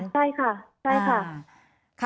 ใช่ค่ะ